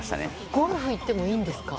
ゴルフ行ってもいいんですか？